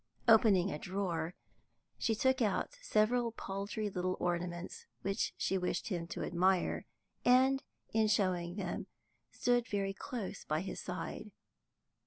Opening a drawer, she took out several paltry little ornaments, which she wished him to admire, and, in showing them, stood very close by his side.